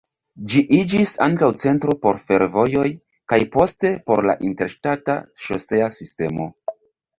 Ĝi iĝis ankaŭ centro por fervojoj, kaj poste por la interŝtata ŝosea sistemo.